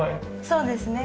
そうですね。